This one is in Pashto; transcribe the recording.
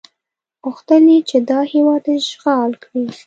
غوښتل یې چې دا هېواد اشغال کړي.